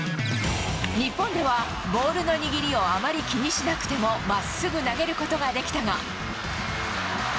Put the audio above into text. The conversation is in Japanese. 日本では、ボールの握りをあまり気にしなくても、まっすぐ投げることができたが。